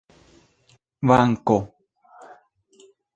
banko